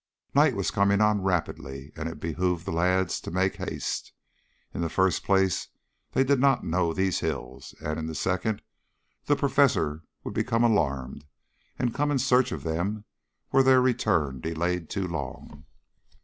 Night was coming on rapidly and it behooved the lads to make haste. In the first place they did not know these hills, and, in the second, the professor would become alarmed and come in search of them were their return delayed too long.